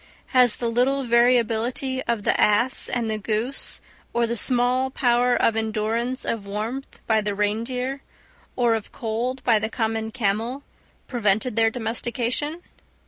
Has the little variability of the ass and goose, or the small power of endurance of warmth by the reindeer, or of cold by the common camel, prevented their domestication?